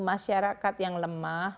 masyarakat yang lemah